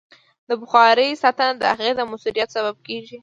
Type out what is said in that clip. د بخارۍ ساتنه د هغې د مؤثریت سبب کېږي.